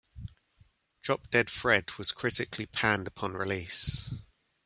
"Drop Dead Fred" was critically panned upon release.